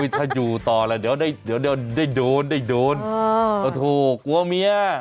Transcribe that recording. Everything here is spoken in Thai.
ถ้าอยู่ต่อแล้วเดี๋ยวได้โดนได้โดนก็ถูกกลัวเมีย